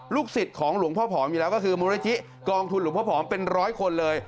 สิทธิ์ของหลวงพ่อผอมอยู่แล้วก็คือมูลนิธิกองทุนหลวงพ่อผอมเป็นร้อยคนเลย